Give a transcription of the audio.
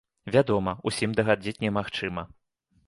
Вядома, усім дагадзіць немагчыма.